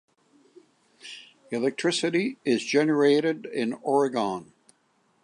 Electricity is generated in Oregon.